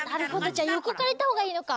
じゃよこからいったほうがいいのか。